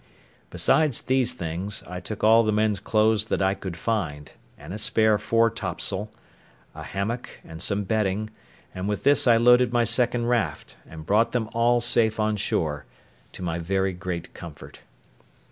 Besides these things, I took all the men's clothes that I could find, and a spare fore topsail, a hammock, and some bedding; and with this I loaded my second raft, and brought them all safe on shore, to my very great comfort.